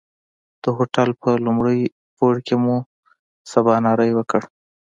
د هوټل په لومړي پوړ کې مو سباناری وکړ.